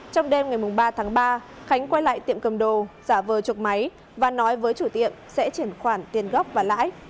trong đêm ngày ba tháng ba khánh quay lại tiệm cầm đồ giả vờ chuộc máy và nói với chủ tiệm sẽ chuyển khoản tiền gốc và lãi